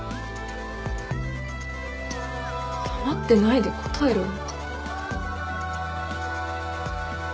黙ってないで答えろよ。